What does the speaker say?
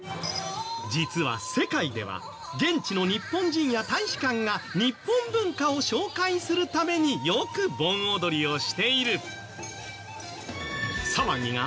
実は世界では現地の日本人や大使館が日本文化を紹介するためによく盆踊りをしている。